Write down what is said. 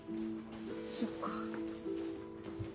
そっか。